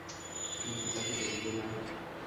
তুমি কি তাকে দেখবে না?